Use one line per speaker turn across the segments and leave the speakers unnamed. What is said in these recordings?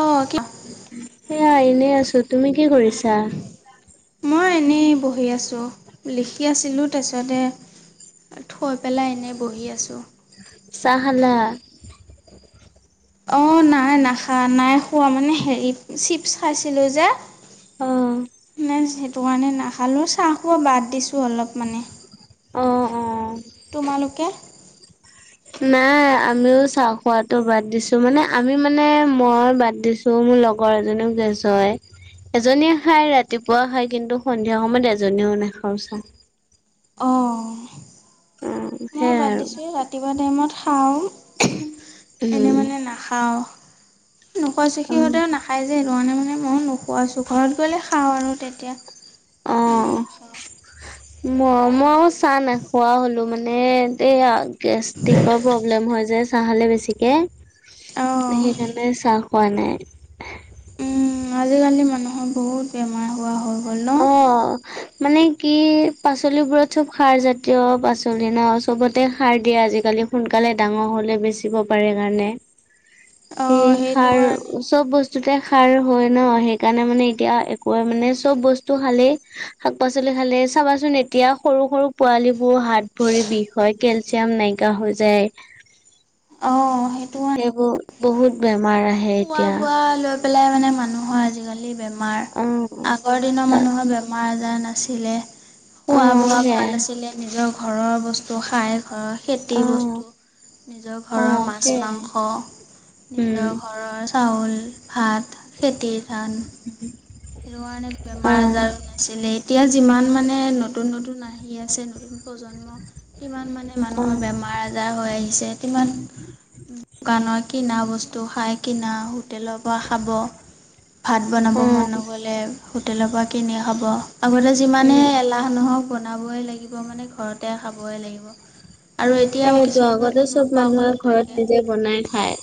আহ ক [inaudible]
এয়া এনে আছো তুমি কি কৰিছা [unintelligible]
মই এনেই বহি আছোঁ লিখি আছিলোঁ তাৰপাছতে থৈ পেলাই এনেই বহি আছোঁ [unintelligible]
চাহ খালা?
অ' নাই নাখা নাই খোৱা মানে হেৰি চিপ খাইছিলো যে
অ
[inaudible] ন সেইটো কাৰণে নাখালো চাহো বাদ দিছো অলপ মানে
অ অ',
[inaudible] তোমালোকে [unintelligible]
নাই আমিও চাহ খোৱাতো বাদ দিছো মানে আমি মানে মই বাদ দিছো। মোৰ লগৰ এজনেও গেছ হয় [inaudible] এজনীয়ে খায় ৰাতিপুৱা খায় কিন্তু সন্ধিয়া সময়ত এজনীও নাখাওঁ চাওঁ [inaudible]
অ'
অ [inaudible]
মই বাদ
আৰু
দিছোঁ ৰাতিপুৱা টাইমত খাওঁ [inaudible] এনে মানে নাখাওঁ [unintelligible] নখৈছ
উম
সিহঁতে নাখাই যে সেইটো কাৰণে মানে [unintelligible] মানে মই নোখোৱাছো ঘৰত গ'লে খাওঁ আৰু তেতিয়া [inaudible]
অহ
নাখাওঁ
[unintelligible] ম মইও চাহ না খোৱা হলো মানে এই গেষ্ট্ৰিকৰ প্ৰব্লেম হৈ যায় চাহ খালে বেছিকে,
অঁ
সেইকাৰণে চাহ পোৱা নাই [unintelligible]
উ আজিকালি মানুহৰ বহুত বেমাৰ [unintelligible] গ'ল
অ
ন
[unintelligible] মানে কি পাচলিবোৰত চব সাৰ জাতীয় পাচলি ন চবতে সাৰ দিয়ে আজিকালি [unintelligible] সোনকালে ডাঙৰ হলে বেচিব পাৰে কাৰণে [unintelligible] এই
অঁ সেইটো
সাৰ
কাৰণে
চব বস্তুতে [unintelligible] সাৰ হয় ন সেইকাৰণে মানে এতিয়া একোৱে মানে চব বস্তু [inaudible] বস্তু খালে শাক পাচলি খালে চাবাচোন এতিয়া সৰু সৰু পোৱালী বোৰ হাত ভৰি বিষ হয় [inaudible] কেলচিয়াম নাইকীয়া হৈ যায় [unintelligible]
অঁ সেইটো কাৰণে
সেইবোৰ বহুত বেয়া
খোৱা বোৱা লৈ পেলাই [inaudible] মানুহৰ আজি বেমাৰ
অ',
আগৰনৰ
তা
মানুৰ বেমাৰ [inaudible] বেমাৰ নাছিলে খোৱা
অ',
বোৱা
সেয়াই
ভাল আছিলে নিজৰ ঘৰৰ বস্তু খাই ঘৰত [inaudible] খেতি
অ',
বস্তু নিজৰ ঘৰৰ
অ',
মাছ
সেয়াই
মাংস
উম,
নিজৰ [inaudible] ঘৰৰ চাউল ভাত খেতি ধান [unintelligible] সেইটো কাৰণে বেমাৰ আজাৰো
অ',
নাছিলে এতিয়া যিমান মানে নত নতুন নতুন আহি আছে নতুন প্ৰজন্ম কিমান মানে মানুহৰ
অ'।
বেমাৰ আজাৰ হৈ আহিছে কিমান দোকানৰ কি না বস্তু খাই কিনা হোটেলৰ পৰা খাব ভাত বনাব
উম,
মন নগ'লে হোটেলৰ পৰা কিনি খাব আগতে যিমানে এলাহ নহওক বনাবই লাগিব মানে ঘৰতে খাবই লাগিব। আৰু এতিয়াও
সেইটো
কিছুমান
আগতে
মানুহে
চব মানুহে
নোখোৱাকৈও
ঘৰত
থাকে।
নিজে বনাই খায়।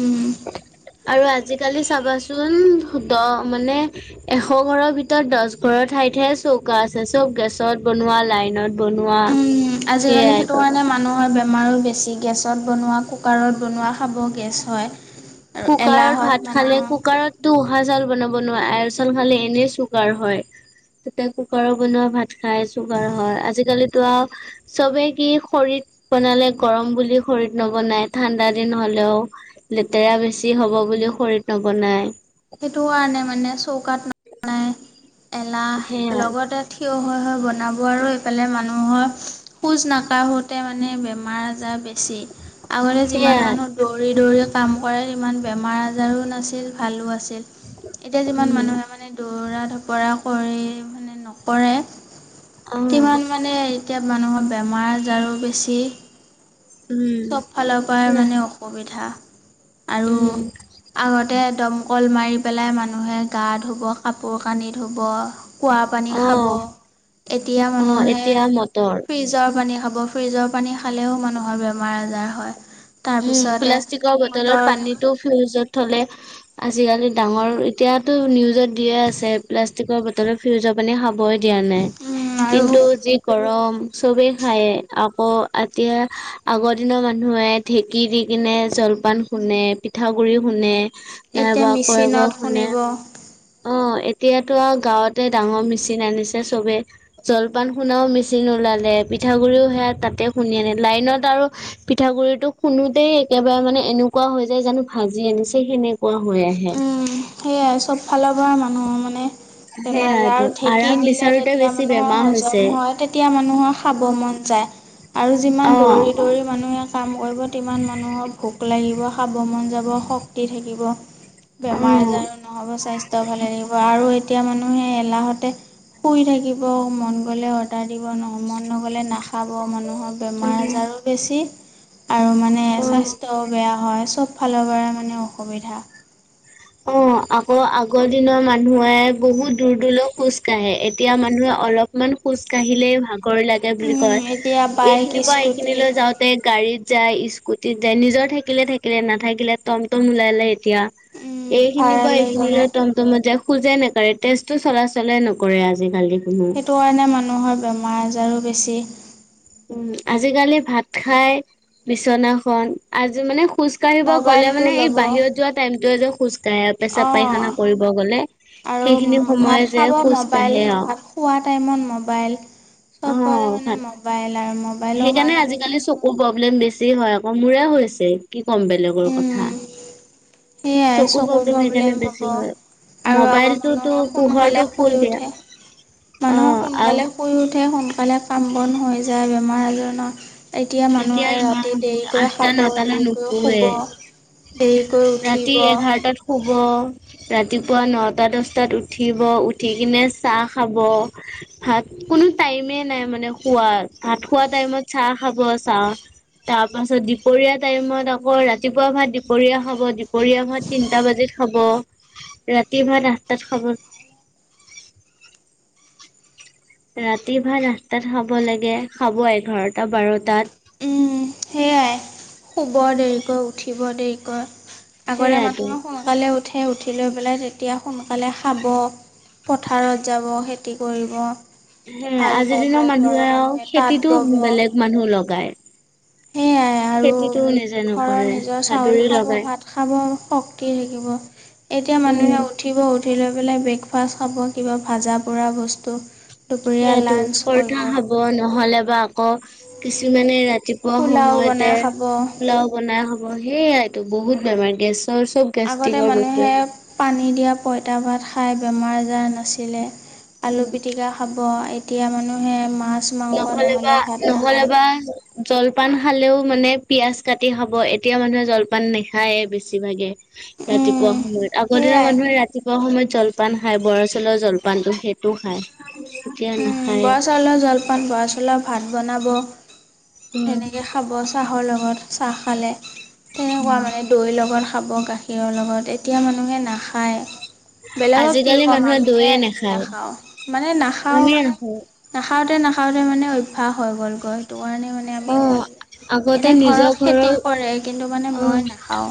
উম।
আৰু আজিকালি চাবাচোন। দহ মানে এশ ঘৰৰ ভিতৰত দহ ঘৰৰ ঠাই ঠায়ে চৌকা আছে চব গেছত বনোৱা লাইনত বনোৱা।
উম আজিকালি
সেইয়াই
সেইটো
পাবা।
কাৰণে মানুহৰ বে আমাৰো বেছি গেছত বনোৱা কুকাৰত বনোৱা খাব গেছ হয় আৰু
কুকাৰত
এলাহত
ভাত খালে
মানুহৰ
কুকাৰতো উহা চাউ বনাব নোৱাৰ আচাল খালে এনে চগাৰ হয়। তাতে কুকাৰৰ বনোৱা ভাত খাই চুগাৰ হয় আজিকালিতো আৰু চবে কি খৰিত বনালে গৰম বুলি খৰিত নবনাই ঠাণ্ডা দিন হলেও তেৰা বেছি হ'ব বুলিও খৰিত নবনায়
সেইটো কাৰণে মানে চৌকাত ন এলাহ
সেয়াই
লগতে থিয় হৈ হৈ বনাব আৰু এইফালে মানুহৰ খোজ নাকাঢ়োঁতে মানে বেমাৰ আজাৰ বেছি আগতে যিমান
সেয়াই
মানুহ দৌৰি - দৌৰি কাম কৰে সিমান বেমাৰ আজাৰো নাছিল ভালো আছিল। এতিয়া যিমান
উম
মানুহে মানে দৌৰা কৰে নকৰে
অ
কিমান মানে এতিয়া মানুহৰ বেমাৰ আজাৰো বেছি।
উম
চব ফালৰ পৰাই
সেয়া
মানে অসুবিধা। আৰু
উম
আগতে দমকল মাৰি পেলাই মানুহে গা ধুব কাপোৰ কানি ধুব। কুৱা পানী
অ
খাব এতিয়া
অ
মানুহে
এতিয়া মটৰ
ফ্ৰিজৰ পানী খাব ফ্ৰিজৰ পানী খালেও মানুহৰ বেমাৰ আজাৰ হয়।
উম
তাৰপিছতে
প্লাষ্টিকৰ বটলত
মটৰ
পানীটো ফ্ৰিজত থলে আজিকালি ডাঙৰ এতিয়াতো নিউজত দিয়ে আছে প্লাষ্টিকৰ বটল ফিৰিজৰ পানী খাব হবই দিয়া নাই
আৰু
কিন্তু যি গৰম চবেই খায় আকৌ এতিয়া আগৰ দিনৰ মানুহে ঢেঁকী দি কিনে জলপান খুন্দে পিঠাগুড়ি খুন্দে
এতিয়া
নাইবা ক ক
মেচিনত
শুনে
খুন্দিব
অ এতিয়াতো আৰু গাঁৱতে ডাঙৰ মেচিন আনিছে চবেই জলপান খুন্দা মেচিন ওলালে। পিঠাগুৰিও সেয়া তাতে শুনি আনে লাইনত আৰু পিঠাগুৰি টোক খুন্দোতে একেবাৰে মানে এনেকুৱা হৈ যায় জানো ভাজি আনিছে সেনে সেনেকুৱা হৈ
উম সেয়াই
আহে।
চব ফালৰ পৰা মানুহৰ মানে বেমাৰ
সেয়াইটো
আজাৰ ঢেকী
আৰাম
দিলে
বিচাৰোতে
তেতিয়া
বেছি
মানুহৰ
বেমাৰ হৈছে
হজম হয় তেতিয়া মানুহৰ খাব মন আৰু
অ
যিমান দৌৰি দৌৰি মানুহে কাম কৰিব তিমান মানুহৰ ভোক লাগিব খাৱ মন যাব শক্তি থাকিব। বেমাৰ
উম
আজাৰো নহ'ব স্বাস্থ্য ভালে থাকিব আৰু এতিয়া মানুহে এলাহতে শুই থাকিব মন গলে অৰ্ডাৰ দিব ন মন নগলে নাখাব মন নহ'লে বেমাৰ আজাৰো বেছি আৰু মানে
উম
স্বাস্থ্যও বেয়া হয় চব ফালৰ পৰা মানে অসুবিধা
অ আকৌ আগৰ দিনৰ মানুহে বহুত দূৰ দূৰলৈ খোজ কাঢ়ে এতিয়া মানুহে অলপমান খোজ কাঢ়িলেই ভাগ ৰ লাগে বুলি
উম,
কয়,
এতিয়া বাইক,
এইখিনি পৰা
স্কুটি
এইখিনিলৈ যাওঁতে গাড়ীত যায় স্কু স্কুটিত যাই নিজৰ থাকিলে থাকিলে নাথাকিলে টমটম ওলালে এতিয়া।
উম,
এইখিনি
ভাড়া
পা এইখিনি
যাব।
লৈ টমটমত যায় খোজে নাকাৰে তেজটো চলা চলেই নকৰে আজিকালি। কোনো
সেইটো কাৰণে মানুহৰ বেমাৰ-আজাৰো বেছি।
উম আজিকালি ভাত খাই বিচনাখন আজি মানে খোজ কাঢ়িব গ'লে
মোবাইলটো
মানে এই
ল'ব
বাহিৰত যোৱা টাইমতোৱে যে খোজ কাঢ়ে পেছাব পায়খানা
অ',
কৰিব গ'লে
আৰু
সেইখিনি সময়ে
ভাত
যে
খাব
খোজ
মোবাইল
কাঢ়ে আৰু
ভাত খোৱা টাইমত মোবাইল।
অ'
চবৰে মানে
ভাত
মোবাইল আৰু মোবাইলৰ
সেইকাৰণে
কাৰণে মানে
আজিকালি চকুৰ প্ৰব্লেম বেছি। হেয়ে হয় আকৌ মোৰে হৈছিল কি ক'ম বেলেগৰ
উম,
কথা
সেয়াই
চকু
চকুৰ
সেইকাৰণে
প্ৰব্লেম হ'ব
বেছি হয়।
আৰু আগৰ
মোবাইলটোতো
মানুহ সোনকালে
পোহৰটো ফুল
শুই
দিয়া
উঠে মানুহে
অ' আৰু
সোনকালে শুই উঠে সোনকালে কাম বন হৈ যায় বেমাৰ আজাৰ নহয়। এতিয়া মানুহে ৰাতি দেৰিকে
আঠটা
খাব,
নটালৈ
দেৰিকৈ শুব,
নুশুৱে।
দেৰিকৈ উঠি
ৰাতি এঘাৰ টাত শু য় ৰাতিপুৱা নটা দহটাত উঠিব উঠি কিনে চাহ খাব ভাত, কোনো টাইমে নাই মানে খোৱাৰ। ভাত খোৱা টাইমত চাহ খাব! চাহ তাৰপাছত দিপৰীয়া টাইমত আকৌ ৰাতিপুৱা ভাত, দিপৰীয়া খাব! দুপৰীয়া ভাত তিনটা বাজিত হব ৰাতি ভাত আঠ টাত খাব ৰাতি ভাত আঠটাত খাব লাগে, খাব এঘাৰটা-বাৰটাত।
উম সেয়াই শুব দেৰিকৈ উঠিব দেৰিকৈ আগতে
সেইয়াতো
মানুহ সোনকালে উঠে, উঠি খেতি লৈ পেলাই তেতিয়া সোনকালে খাব পথাৰত যাব খেতি কৰিব
সেয়া
হাল
আজিৰ
বাব,
দিনৰ
ঘৰৰ
আৰু
মানুহে তাঁত
খেতিতো
ব'ব।
বেলেগ মানুহ লগায়
সেয়াই আৰু
খেতিটো নিজে
ঘৰৰ
নকৰে
নিজৰ চাউল
হাতুৰি
খাব
লগাই
ভাত খাব শক্তি থাকিব, এতিয়া মানুহে
উম
উঠিব! উঠি লৈ পেলাই বেগ ফাষ্ট খাব কিবা ভাজা পোৰা বস্তু। দুপৰীয়া
সেইয়াইটো
লাঞ্চ কৰিব
পৰঠা খাব নহ'লে বা আকৌ কিছুমানে ৰাতি ৰাতিপুৱা
পোলাও
সময়তে
বনাই খাব
পোলাও বনাই খাব সেইয়াইটো বহুত বেমাৰ, গেছ
আগতে মানুহে পানী দিয়া পঁইতা ভাত খাই, বেমাৰ-আজাৰ নাছিলে। আলু পিতিকা খাব, এতিয়া মানুহে মাছ মাংস
নহলে বা
ভাত
নহ'লে
নাখায়
বা জলপান খালেও মানে পিয়াজ কাটি খাব এতিয়া মানুহে জলপান নাখায় বেছিভাগে ৰাতিপুৱা
উম,
সময়ত, আগৰ দিনৰ
সেয়াই
মানুহে ৰাতিপুৱা সময়ত জলপান খায় বৰা চাউলৰ জলপানটো সেইটো খায়, এতিয়া নাখায়।
অকণ বৰা চাউলৰ ভাত বনাব
উম,
সেনেকে খাব চাহৰ লগত চাহ খালে, তেনেকুৱা মানে দৈৰ লগত খাব গাখীৰৰ লগত, এতিয়া মানুহে নাখায়। বেলেগক কি
আজিকালি
ক'ম
মানুহে
আমিয়ে নাখাও মানে নাখ
আমিয়েই নাখাওঁ।
নাখাওঁতে-নাখাওঁতে মানে অভ্যাস হৈ গ'লগৈ! সেইটো কাৰণে মানে আমি
অ'
[unintelligible]
আগতে
এনে
নিজৰ
ঘৰত
ঘৰৰ
খেতিও কৰে, কিন্তু মানে মই
অ'
নাখাওঁ।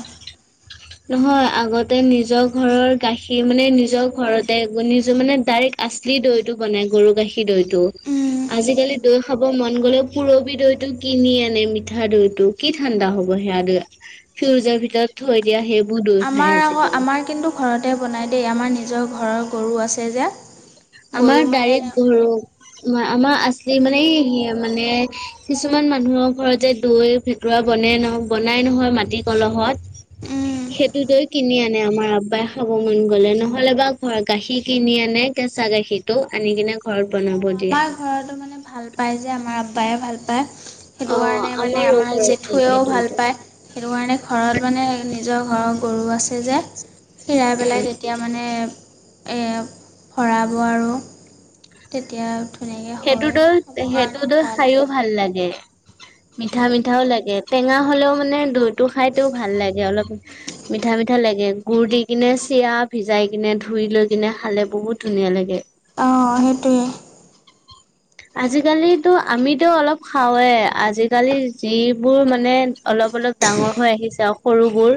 নহয়, আগতে নিজৰ ঘৰৰ গাখীৰ মানে নিজৰ ঘৰতে [unintelligible] মানে ডাইৰেক্ট আছে। আছলী দৈটো বনাই, গৰু গাখীৰ দৈটো।
উম,
আজিকালি দৈ খাব মন গ'লেও পুৰবি দৈটো কিনি আনে, মিঠা দৈটো কি ঠাণ্ডা হ'ব? সেয়া দৈ ফিউজৰ ভিতৰত থৈ দিয়া সেইবো
আমাৰ আকৌ, আমাৰ কিন্তু ঘৰতে বনায় দেই আমাৰ নিজৰ ঘৰৰ গৰু আছে যে।
আমাৰ
গৰু মানে
ডাৰিত গৰু আমাৰ আছিল মানে, এই মানে কিছুমান মানুহৰ ঘৰতে যে দৈ ভেকুৱা বনে ন বনাই নহয় মাটি কলহত
উম,
সেইটো দৈ কিনি আনি মানে আমাৰ আব্বাই খাব মন গ'লে নহলে বা ঘৰ গাখীৰ কিনি আনে। পঁচা গাখীৰ টো আনি কিনে ঘৰত বনাব দিয়ে।
আমাৰ ঘৰতো মানে ভাল পায় যে আমাৰ আব্বায়ে ভাল পায়। সেইটো
অ',
কাৰণে মানে
আমাৰো
আমাৰ
ঘৰত নিদিয়ে
জেঠুৱেও ভাল
দৈটো।
পায় সেইটো কাৰণে ঘৰত মানে নিজৰ ঘৰৰ গৰু আছে যে হেৰাই
উম,
পেলাই তেতিয়া মানে ভৰাব আৰু তেতিয়া ধুনীয়াকৈ
সেইটো
হয়
দৈ
খাবৰ
সেইটো
কাৰণে
দৈ
ভাল
খাইও ভাল লাগে মিঠা
উম।
মিঠাও লাগে টেঙা হ'লেও মানে দৈতটো খাইতেও ভাল লাগে অলপ মিঠা মিঠা লাগে গুৰ দি কিনে চিৰা ভিজাই কিনে ধুই লৈ কিনে খালে বহুত ধুনীয়া লাগে।
অ সেইটোৱে।
আজিকালিটো আমিতোও অলপ খাওৱে আজিকালি যিবোৰ মানে অলপ অলপ ডাঙৰ হৈ আহিছে আৰু সৰুবোৰ।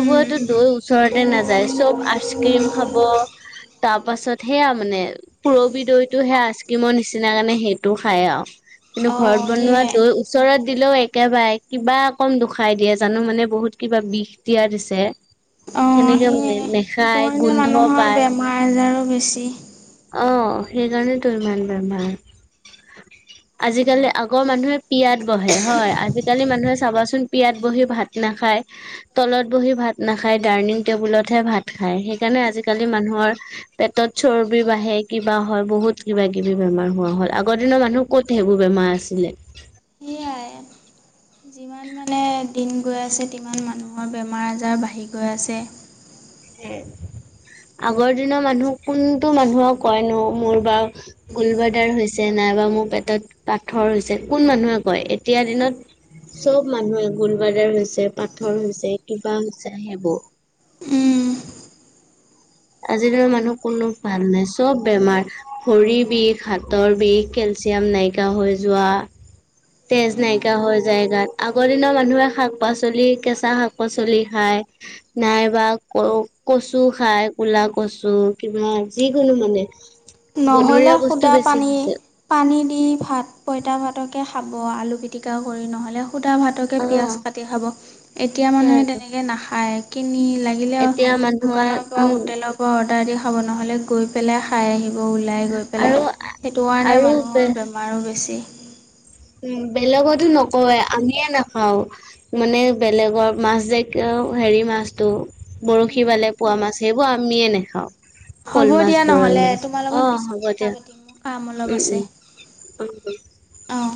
উম,
দৈ ওচৰতে নাযায় চব আইচক্ৰীম খাব তাৰ পাছত সেয়া মানে পুৰবি দৈতটো সে আইচ ক্ৰীমৰ নিচিনা কাৰণে সেইটো খায় আৰু কিন্তু
অ'
ঘৰত বনোৱা
সেয়াই।
দৈ ওচৰত দিলেও এক একেবাৰে কিবা অকম দুখাই দিয়ে জানো মানে বহুত কিবা বিষ দিয়া দিছে।
অ'
সেনেকে
সেয়াই
মানে
সেইটো
নেখায়
কাৰণে
গোন্ধ
মানুহৰ
পায়
বেমাৰ আজাৰো বেছি।
অ সেইকাৰণেতো ইমান বেমাৰ আজিকালি আগৰ মানুহে পিয়াত বহে হয় আজিকালি মানুহে চাবাচোন পিয়াত বহি ভাত নাখায় তলত বহি ভাত নাখায় ডাইনিং টেবুলতহে ভাত খায় সেইকাৰণে নে আজিকালি মানুহৰ পেটত চৰ্বি বাঢ়ে কিবা হয় বহুত কিবা কিবি বেমাৰ োৱা হ'ল আগৰ দিনৰ মানুহ ক'ত সেইবোৰ বেমাৰ আছিলে
সেইয়াই। যিমান মানে দিন গৈ আছে তিমান মানুহৰ বেমাৰ আজাৰ বাঢ়ি গৈ আছে
হ আগৰ দিনৰ মানুহ কোনটো মানুহক কয়নো মোৰ বা গুলব্লাডাৰ হৈছে নাইবা মোৰ পেটত পাথৰ হৈছে কোন মানুহে কয় এতিয়া দিনত চব মানুহে গোলবাদাৰ হৈছে পাথৰ হৈছে কিবা হৈছে সেইবোৰ
উম,
আজি মানুহ কোনো ভাল নাই চব বেমাৰ ভৰিৰ বিষ হাতৰ বিষ কেল কেলছিয়াম নাইকিয়া হৈ যোৱা তেজ নাইকিয়া হৈ যায় গাত আগৰ দিনৰ মানুহে শাক পাচলি কেঁচা শাক পাচলি খায়। নাইবা ক কচু খায় কোলা কচু কিবা যিকোনো মানে
নহ'লে
বনৰীয়া বস্তু
সুদা
বেছি
পানী
খাইছে
পানী দি ভাত পঁইতা ভাতকে খাব আলু পিটিকা কৰি নহ'লে শুদা ভাতকে
অ
পিঁয়াজ কাটি খাব এতিয়া মানুহে
সেইয়াইতো
তেনেকৈ নাখায় কিনি- লাগিলে
এতিয়া মানুহে
দোকানৰ পৰা
উম
হোটেলৰ পৰা অৰ্ডাৰ দি খাব নহলে গৈ পেলাই খাই আহিব ওলাই গৈ পেলাই
আৰু
সেইটো কাৰণে
আৰু
মানুহৰ বেমাৰো বেছি
উ বেলেগতো নকৱে আমিয়ে নাখাও মানে বেলেগৰ মাছ জক। হেৰি মাছতটো বৰশী বালে পোৱা মাছ সেইবোৰ আমিয়ে নাখাওঁ।
হ'ব
শ'ল মাছ
দিয়া
গৰৈ
নহ'লে
মাছ
তোমাৰ
অ
লগত পিছত
হ'ব
কথা
দিয়া
পাতিম মোৰ কাম অলপ
উম
আছে
উম। অটো
অঁ